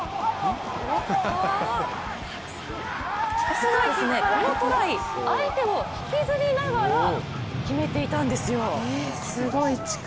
実はこのトライ、相手を引きずりながら決めていたんですよ。